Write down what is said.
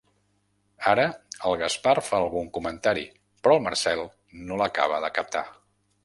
Ara el Gaspar fa algun comentari, però el Marcel no l'acaba de captar.